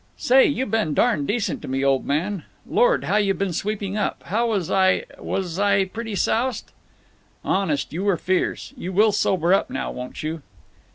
"Say, you been darn' decent to me, old man. Lord! how you've been sweeping up! How was I—was I pretty soused?" "Honest, you were fierce. You will sober up, now, won't you?"